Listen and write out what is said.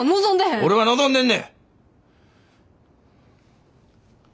俺は望んでんね！